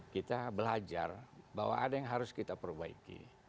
kita belajar bahwa ada yang harus kita perbaiki